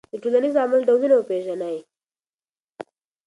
د ټولنیز عمل ډولونه وپېژنئ.